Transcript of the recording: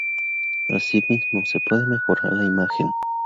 Asimismo, se puede mejorar la imagen.